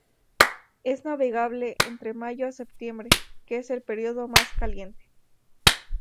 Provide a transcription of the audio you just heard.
Es navegable entre mayo a septiembre, que es el período más caliente.